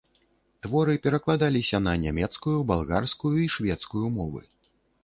Творы перакладаліся на нямецкую, балгарскую і шведскую мовы.